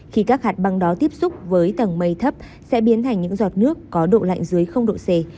khi các hạt băng đó tiếp xúc với tầng mây thấp sẽ biến thành những giọt nước có độ lạnh dưới độ c